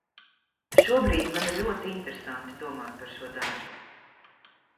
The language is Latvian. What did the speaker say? Šobrīd man ir ļoti interesanti domāt par šo darbu.